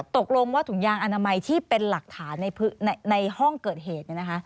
ตกลงว่าถุงยางอนามัยที่เป็นหลักฐานในห้องเกิดเหตุ